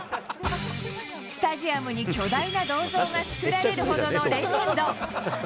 スタジアムに巨大な銅像が作られるほどのレジェンド。